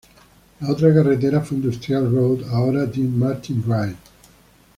La otra carretera fue Industrial Road ahora Dean Martin Drive.